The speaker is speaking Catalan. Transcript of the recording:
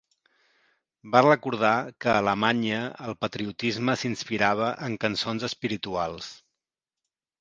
Va recordar que a Alemanya el patriotisme s'inspirava en cançons espirituals.